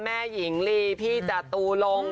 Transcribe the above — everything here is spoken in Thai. แม่หญิงลีพี่จตูลง